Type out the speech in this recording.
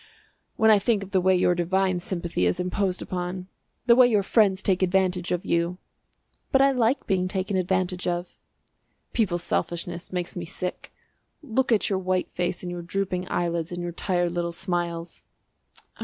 "When I think of the way your divine sympathy is imposed upon the way your friends take advantage of you!" "But I like being taken advantage of." "People's selfishness makes me sick. Look at your white face and your drooping eyelids, and your tired little smiles."